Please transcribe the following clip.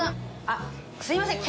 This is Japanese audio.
あっすみません